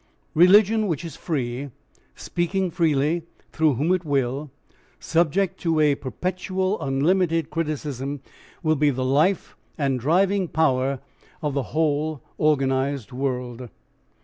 Religion which is free, speaking freely through whom it will, subject to a perpetual unlimited criticism, will be the life and driving power of the whole organised world.